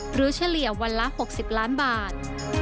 เฉลี่ยวันละ๖๐ล้านบาท